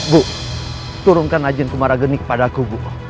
bu turunkan ajen komarageni kepadaku bu